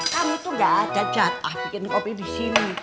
kami tuh gak ada jatah bikin kopi di sini